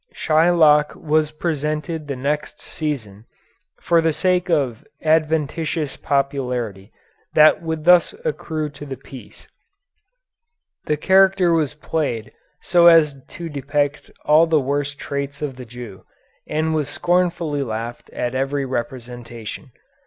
Shylock was presented the next season for the sake of adventitious popularity that would thus accrue to the piece. The character was played so as to depict all the worst traits of the Jew, and was scornfully laughed at at every representation.